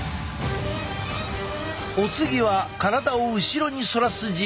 お次は体を後ろに反らす実験。